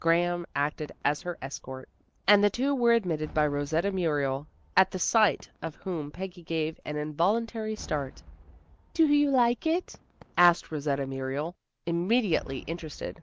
Graham acted as her escort, and the two were admitted by Rosetta Muriel, at the sight of whom Peggy gave an involuntary start. "Do you like it?" asked Rosetta Muriel, immediately interested.